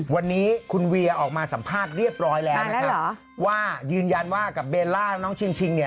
วันนี้คุณเวียออกมาสัมภาษณ์เรียบร้อยแล้วนะครับว่ายืนยันว่ากับเบลล่าน้องชิงชิงเนี่ย